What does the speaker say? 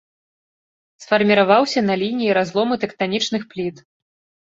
Сфарміраваўся на лініі разлому тэктанічных пліт.